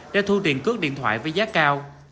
để thu tiền cước điện thoại với giá cao